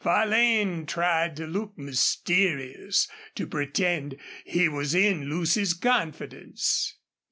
Farlane tried to look mysterious, to pretend he was in Lucy's confidence.